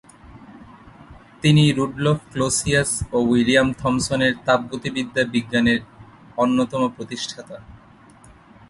তিনি Rudolf Clausius ও William Thomson এর তাপগতিবিদ্যা বিজ্ঞানের অন্যতম প্রতিষ্ঠাতা।